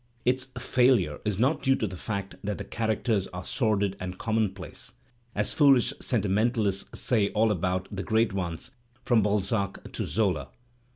Its failure is not due to the fact' that the characters are ^* sordid and conmionplace," as foolish ^ sentimentalists say about all the great ones from Balzac ; to Zola.